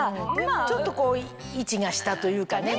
ちょっと位置が下というかね。